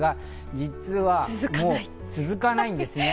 実は続かないんですね。